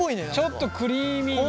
ちょっとクリーミーな。